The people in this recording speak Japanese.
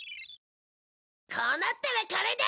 こうなったらこれで！